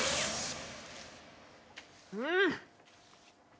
うん。